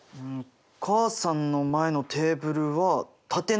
母さんの前のテーブルは縦長の長方形。